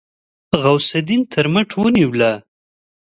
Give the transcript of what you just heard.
غوث الدين تر مټ ونيوله.